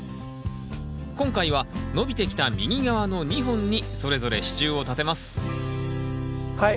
今回は伸びてきた右側の２本にそれぞれ支柱を立てますはい